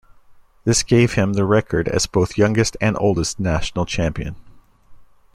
This gave him the record as both youngest and oldest national champion.